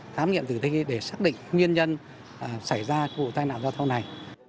khám nghiệm tử thi để xác định nguyên nhân xảy ra vụ tai nạn giao thông này